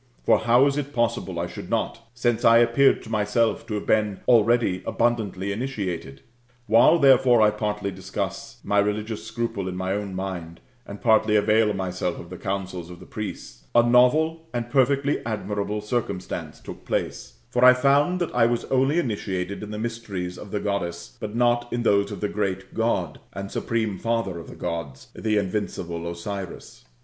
For how is it possible I should not ; since I appeared to myself to have been already initiated ? While, therefore, I partly discuss my religious scruple in my own mind, and partly avail myself of the counsels of the priests, a novel and perfectly admirable circumstance took place : for I found that I was only initiated in the mysteries of the Goddess, but not in those of the great God, and supreme Father of the Gods, the invincible Osiris.